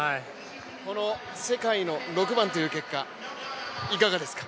この世界の６番という結果、いかがですか。